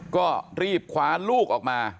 ก็รีบคว้าลูกออกมา